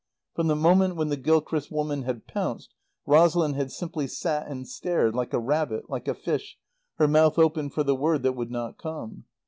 From the moment when the Gilchrist woman had pounced, Rosalind had simply sat and stared, like a rabbit, like a fish, her mouth open for the word that would not come.